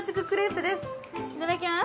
いただきます。